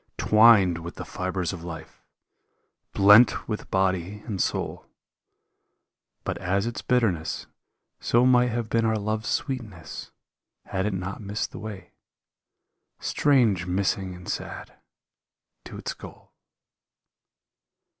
Twined with the fibres of life, blent with body and soul. But as its bitterness, so might have been our love's sweetness Had it not missed the way — strange missing and sad !— to its goal.